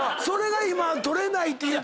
それが今取れないって。